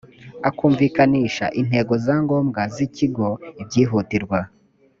a kumvikanisha intego zangombwa z ikigo ibyihutirwa